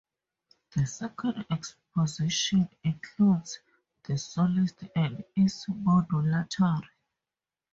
The second exposition includes the soloist and is modulatory.